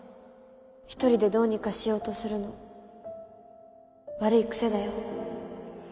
一人でどうにかしようとするの悪い癖だよ。